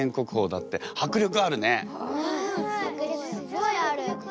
迫力すごいある。